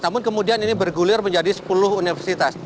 namun kemudian ini bergulir menjadi sepuluh universitas